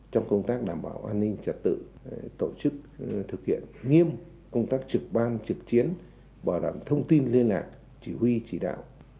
trong công tác đảm bảo an ninh trật tự tổ chức thực hiện nghiêm công tác trực ban trực chiến bảo đảm thông tin liên lạc chỉ huy chỉ đạo